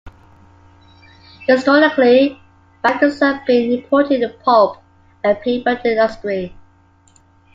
Historically, Vikersund been important in the pulp and paper industry.